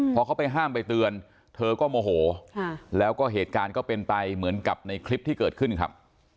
พอเขาไปห้ามไปเตือนเธอก็โมโหแล้วก็เหตุการณ์ก็เป็นไปเหมือนกับในคลิปที่เกิดขึ้นครับ